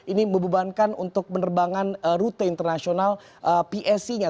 ini membebankan untuk penerbangan rute internasional psc nya